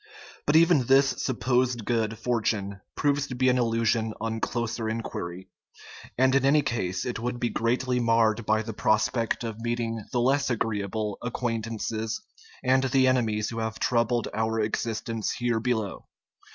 But even this sup posed good fortune proves to be an illusion on closer inquiry; and in any case it would be greatly marred by the prospect of meeting the less agreeable acquaint ances and the enemies who have troubled our existence here below.